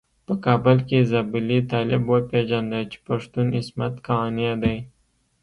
په کابل کې زابلي طالب وپيژانده چې پښتون عصمت قانع دی.